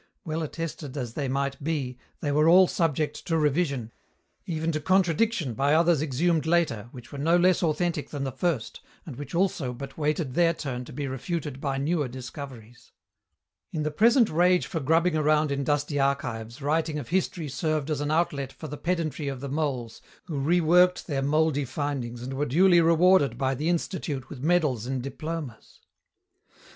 Well attested as they might be, they were all subject to revision, even to contradiction by others exhumed later which were no less authentic than the first and which also but waited their turn to be refuted by newer discoveries. In the present rage for grubbing around in dusty archives writing of history served as an outlet for the pedantry of the moles who reworked their mouldy findings and were duly rewarded by the Institute with medals and diplomas.